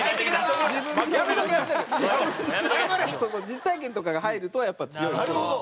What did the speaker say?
実体験とかが入るとやっぱ強い。